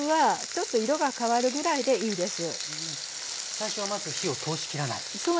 最初はまず火を通し切らないんですね。